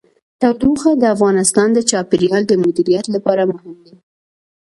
تودوخه د افغانستان د چاپیریال د مدیریت لپاره مهم دي.